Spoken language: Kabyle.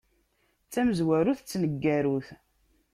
D tamezwarut d tneggarut.